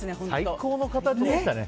最高の形でしたね。